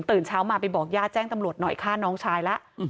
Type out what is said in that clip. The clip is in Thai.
ตื่นเช้ามาไปบอกย่าแจ้งตำรวจหน่อยฆ่าน้องชายละ